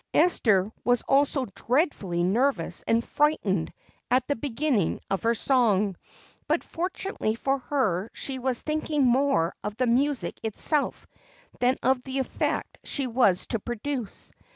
Esther was also dreadfully nervous and frightened at the beginning of her song, but fortunately for her she was thinking more of the music itself than of the effect she was to produce.